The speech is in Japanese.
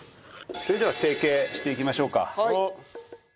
それでは成形していきましょうか。